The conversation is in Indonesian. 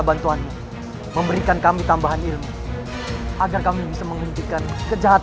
saya meraih orang yang menjahat